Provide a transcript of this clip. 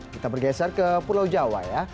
kita bergeser ke pulau jawa ya